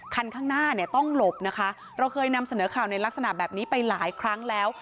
คันข้างหน้าเนี่ยต้องหลบนะคะเราเคยนำเสนอข่าวในลักษณะแบบนี้ไปหลายครั้งแล้ว